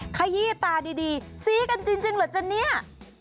ขยี้ตาดีซี้กันจริงเหรอจ๊ะเนี่ย